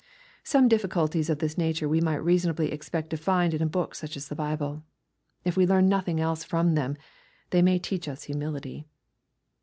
Some difficulties of this nature we might reasonably expect to find in such a book as the Bible. If we learn nothing else from them, they may teach us humility.